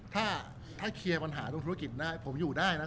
ถ้าเคลียร์ปัญหาตรงธุรกิจได้ผมอยู่ได้นะ